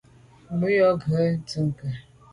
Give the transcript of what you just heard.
Mba be a’ ghù à ndùke.